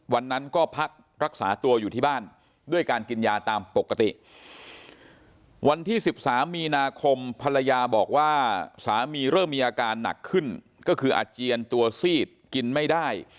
วันนั้นก็พักรักษาตัวอยู่ที่บ้านด้วยการกินยาตามปกติวันที่๑๓มีนาคมภรรยาบอกว่าสามีเริ่มมีอาการหนักขึ้นก็คืออาเจียนตัวซีดกินไม่ได้